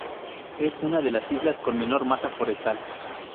Es una de las islas con menor masa forestal.